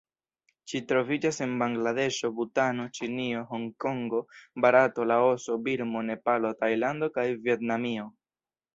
Ĝi troviĝas en Bangladeŝo, Butano, Ĉinio, Hongkongo, Barato, Laoso, Birmo, Nepalo, Tajlando kaj Vjetnamio.